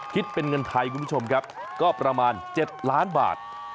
คิดเป็นเงินไทยคุณผู้ชมครับก็ประมาณ๗ล้านบาท